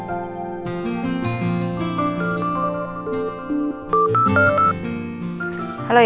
masuk ke angin